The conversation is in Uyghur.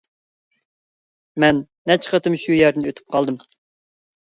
مەن نەچچە قېتىم شۇ يەردىن ئۆتۈپ قالدىم.